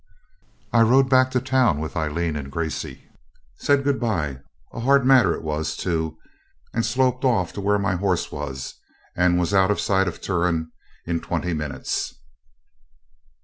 I rode back to town with Aileen and Gracey; said good bye a hard matter it was, too and sloped off to where my horse was, and was out of sight of Turon in twenty minutes.